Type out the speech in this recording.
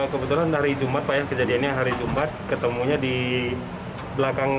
kebetulan hari jumat pak kejadiannya hari jumat ketemunya di belakang